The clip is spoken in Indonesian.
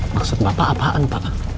maksud bapak apaan pak